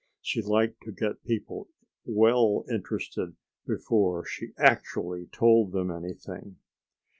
She liked to get people well interested before she actually told them anything.